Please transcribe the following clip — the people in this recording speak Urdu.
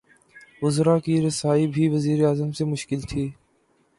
وزرا کی رسائی بھی وزیر اعظم سے مشکل تھی۔